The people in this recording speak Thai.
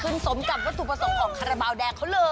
สมกับวัตถุประสงค์ของคาราบาลแดงเขาเลย